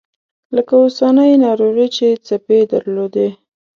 لکه اوسنۍ ناروغي چې څپې درلودې.